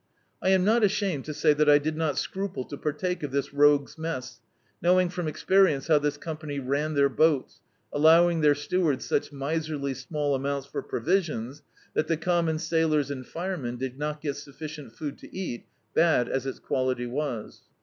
I am not ashamed to say that I did not scruple to partake of this rogue's mess, knowing from experience how this company ran their boats, allowing their stewards such miserly small amounts for provisions, that the common sail ors and firemen did not get sufficient food to eat, bad as its quality was.